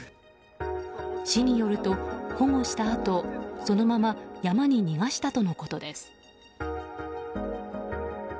市によると保護したあとそのまま山に逃がしたとのことです。